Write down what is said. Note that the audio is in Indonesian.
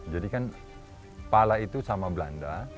jadi kan pala itu sama belanda